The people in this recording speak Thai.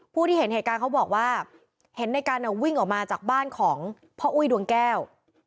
ผู้ที่เห็นเหตุการณ์เขาบอกว่าเห็นในกันวิ่งออกมาจากบ้านของพ่ออุ้ยดวงแก้ว